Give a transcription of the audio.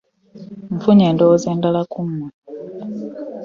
Nfunye endowooza endala ku mmwe.